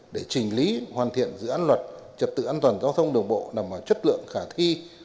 để trình lý hoàn thiện dự án luật trật tự an toàn giao thông đường bộ nằm vào chất lượng khả thi